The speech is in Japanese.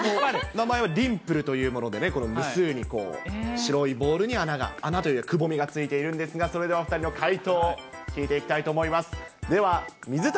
名前はディンプルというもので、この無数に白いボールに穴が、穴というかくぼみが付いているんですが、それではお２人の解答を聞いていきたいと思います。